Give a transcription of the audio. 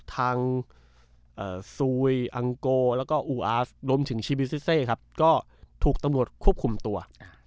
ทางเอ่อซูยอังโกแล้วก็อูอารรวมถึงครับก็ถูกตำหนดควบคุมตัวอ่า